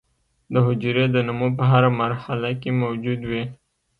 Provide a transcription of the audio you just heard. د حجرې د نمو په هره مرحله کې موجود وي.